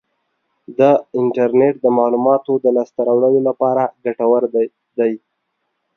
د انټرنیټ د معلوماتو د لاسته راوړلو لپاره ګټور دی.